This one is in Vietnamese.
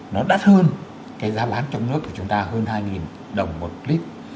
nó đắt hơn cái giá bán trong nước của chúng ta hơn hai đồng một lít